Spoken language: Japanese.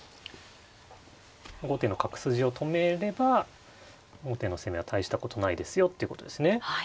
後手の角筋を止めれば後手の攻めは大したことないですよっていうことですね。